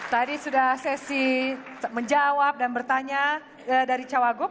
tadi sudah sesi menjawab dan bertanya dari cawagup